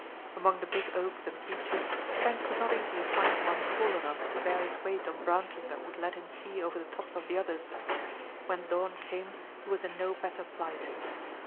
Among the big oaks and beeches Trent could not easily find one tall enough to bear his weight on branches that would let him see over the tops of the others. When dawn came he was in no better plight.